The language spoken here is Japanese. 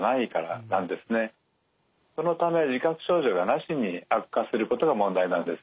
そのため自覚症状がなしに悪化することが問題なんです。